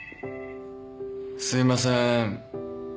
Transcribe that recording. すいませーん。